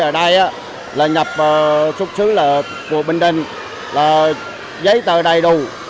ở đây là nhập xuất xứ của bình đình là giấy tờ đầy đủ